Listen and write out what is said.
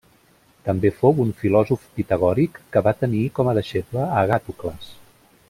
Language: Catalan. També fou un filòsof pitagòric que va tenir com a deixeble a Agàtocles.